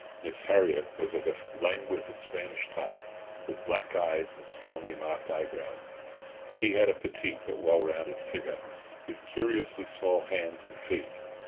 Miss Harriott was of a languid Spanish type, with black eyes and strongly marked eyebrows. She had a petite, but well rounded figure, with curiously small hands and feet.